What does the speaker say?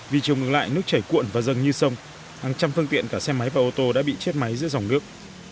vì chiều ngược lại nước chảy cuộn và dâng như sông hàng trăm phương tiện cả xe máy và ô tô đã bị chết máy giữa dòng nước